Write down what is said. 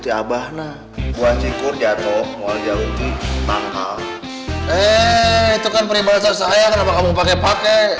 tiabah nah buat singkur jatuh mau jauh tanggal itu kan pribadi saya kenapa kamu pakai pakai